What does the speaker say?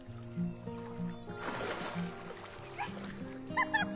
ハハハ。